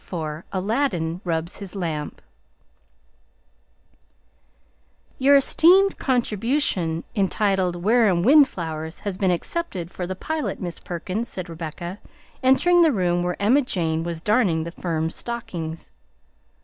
XXIV ALADDIN RUBS HIS LAMP "Your esteemed contribution entitled Wareham Wildflowers has been accepted for The Pilot, Miss Perkins," said Rebecca, entering the room where Emma Jane was darning the firm's stockings.